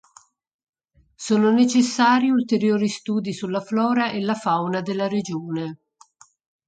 Sono necessari ulteriori studi sulla flora e la fauna della regione.